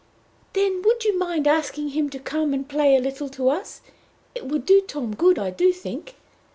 "Then would you mind asking him to come and play a little to us? It would do Tom good, I do think."